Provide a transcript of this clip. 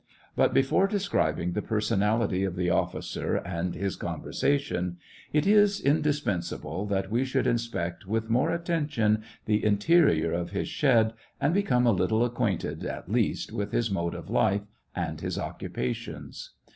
But before describing the personality of the officer, and his conversation, it is indispensable that we should inspect with more attention the interior of his shed, and become a little acquainted, at least, with his mode of life and his occupa tions.